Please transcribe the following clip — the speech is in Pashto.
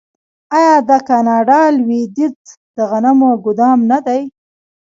آیا د کاناډا لویدیځ د غنمو ګدام نه دی؟